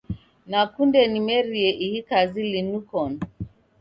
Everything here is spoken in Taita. Nakunde nimerie ihi kazi linu koni.